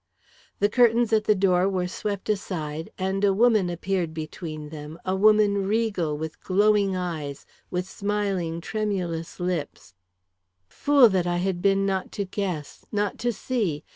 The curtains at the door were swept aside, and a woman appeared between them a woman regal, with glowing eyes, with smiling, tremulous lips Fool that I had been not to guess not to see!